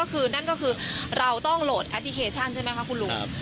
ก็คือนั่นก็คือเราต้องโหลดแอปพลิเคชันใช่ไหมคะคุณลุง